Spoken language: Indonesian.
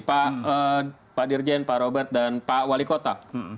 pak dirjen pak robert dan pak wali kota